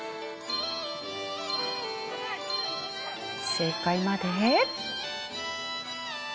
正解まで。